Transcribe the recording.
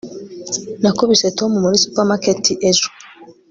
nakubise tom muri supermarket ejo